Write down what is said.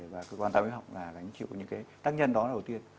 và cơ quan tai mũi họng là gánh chịu những tác nhân đó đầu tiên